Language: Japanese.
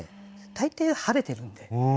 大抵晴れてるんで。